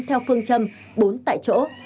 theo phương châm bốn tại chỗ